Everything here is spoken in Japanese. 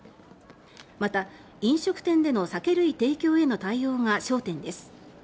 また、飲食店での酒類提供への対応が焦点です。